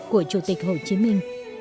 của chủ tịch hồ chí minh